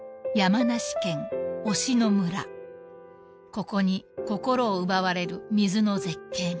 ［ここに心を奪われる水の絶景が］